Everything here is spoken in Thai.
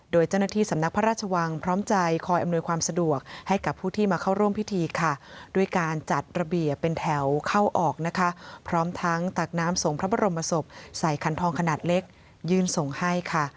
โดยเจ้าหน้าที่สำนักพระราชวังพร้อมใจคอยอำนวยความสะดวกให้กับผู้ที่มาเข้าร่วมพิธีค่ะด้วยการจัดระเบียบเป็นแถวเข้าออกนะคะพร้อมทั้งตักน้ำส่งพระบรมศพใส่ขันทองขนาดเล็กยื่นส่งให้ค่ะ